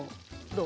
どう？